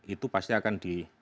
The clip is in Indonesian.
itu pasti akan